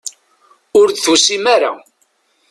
Ur d-tusim ara.